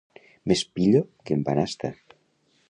Més «pillo» que en Banasta.